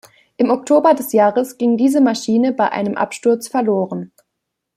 Im Oktober des Jahres ging diese Maschine bei einem Absturz verloren.